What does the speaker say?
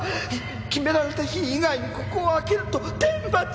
決められた日以外にここを開けると天罰が！